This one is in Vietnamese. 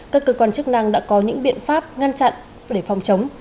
các cơ quan chức năng đã có những biện pháp ngăn chặn để phòng chống